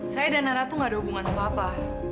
saya dan nona tuh gak ada hubungan apa apa